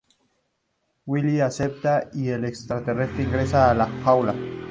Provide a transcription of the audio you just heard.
Willie acepta y el extraterrestre ingresa a la jaula.